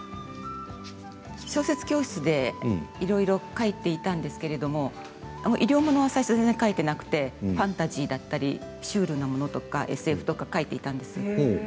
小説教室で、いろいろ書いていたんですけれども医療物は最初、全然書いてなくてファンタジーだったりシュールなものとかＳＦとか書いていたんですよ。